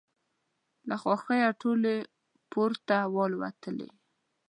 له خوښیه ټولې پورته والوتلې.